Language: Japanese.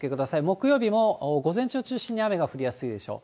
木曜日も午前中を中心に雨が降りやすいでしょう。